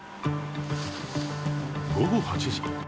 午後８時。